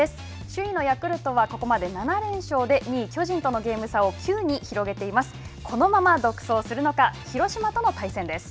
首位のヤクルトはここまで７連勝で２位、巨人とのゲーム差を９に広げています。